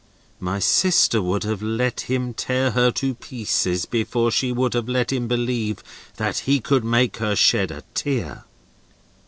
My sister would have let him tear her to pieces, before she would have let him believe that he could make her shed a tear."